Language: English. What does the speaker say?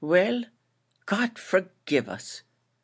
Well, God forgive us!